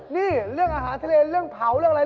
นี่เรื่องอาหารทะเลเรื่องเผาเรื่องอะไร